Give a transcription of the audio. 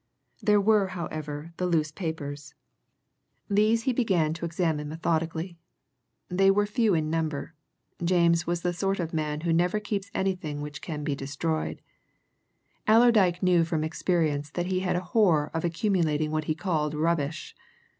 There were, however, the loose papers. He began to examine these methodically. They were few in number James was the sort of man who never keeps anything which can be destroyed: Allerdyke knew from experience that he had a horror of accumulating what he called rubbish.